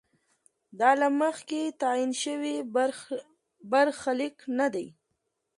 دا له مخکې تعین شوی برخلیک نه دی.